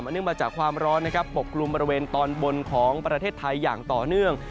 เนื่องมาจากความร้อนนะครับปกกลุ่มบริเวณตอนบนของประเทศไทยอย่างต่อเนื่อง